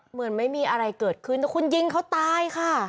เหมือนไม่มีอะไรเกิดขึ้นแต่คุณยิงเขาตายค่ะ